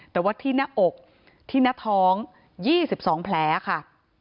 แต่ว่าที่หน้าอกที่หน้าท้อง๒๒แผลค่ะ